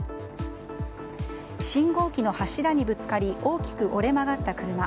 信号機の柱にぶつかり大きく折れ曲がった車。